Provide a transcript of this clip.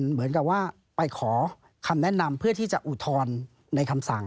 เหมือนกับว่าไปขอคำแนะนำเพื่อที่จะอุทธรณ์ในคำสั่ง